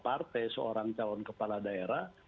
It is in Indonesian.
partai seorang calon kepala daerah